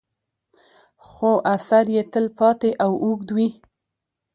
خو اثر یې تل پاتې او اوږد وي.